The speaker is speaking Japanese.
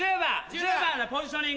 １０番でポジショニング。